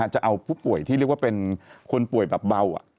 จะเอาผู้ป่วยที่เรียกว่าเป็นคนป่วยแบบเบา